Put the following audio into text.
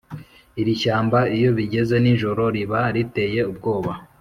Irishyamba iyobigeze ninjoro riba riteye ubwoba